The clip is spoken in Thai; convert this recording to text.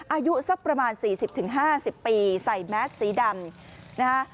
อายุสักประมาณ๔๐๕๐ปีใส่แมสสีดำนะคะ